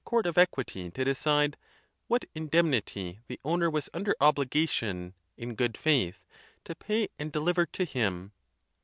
xvi of equity to decide what indemnity tlie owner was under obligation in good faith ' to pay and deliver to him."